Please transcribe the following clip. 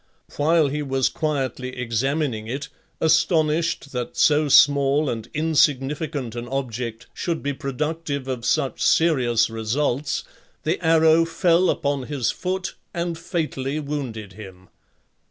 While he was quietly examining it, astonished that so small and insignificant an object should be productive of such serious results, the arrow fell upon his foot and fatally wounded him.